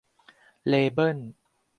เลเบิ้น